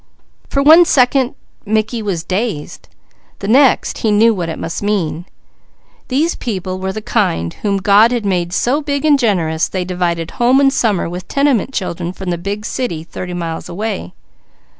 For one second Mickey was dazed. The next, he knew what it must mean. These people were the kind whom God had made so big and generous they divided home and summer with tenement children from the big city thirty miles away.